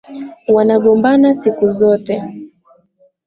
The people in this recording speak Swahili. Wanagombana siku zote.